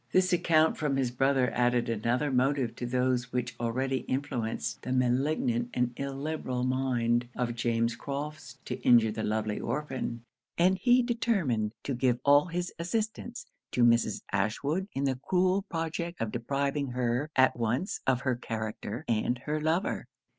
This account from his brother added another motive to those which already influenced the malignant and illiberal mind of James Crofts to injure the lovely orphan, and he determined to give all his assistance to Mrs. Ashwood in the cruel project of depriving her at once of her character and her lover.